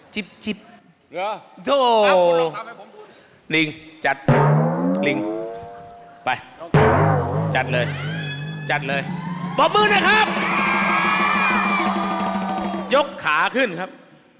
ซิบซิบนึกจดไปจัดเลยจัดเลยปรบมือนายครับ